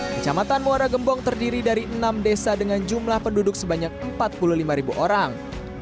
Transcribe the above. kecamatan muara gembong terdiri dari enam desa dengan jumlah penduduk sebanyak empat puluh lima orang